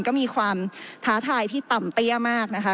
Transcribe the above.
ก็มีความท้าทายที่ต่ำเตี้ยมากนะคะ